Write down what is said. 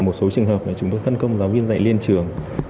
một số trường hợp là chúng tôi phân công giáo viên dạy liên trường